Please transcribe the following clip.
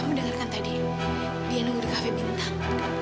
kamu denger kan tadi dia nunggu di kb bintang